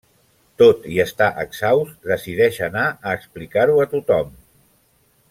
Tot i estar exhaust decideix anar a explicar-ho a tothom.